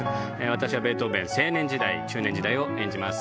私はベートーベン青年時代中年時代を演じます。